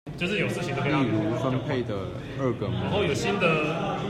例如分配的二個名額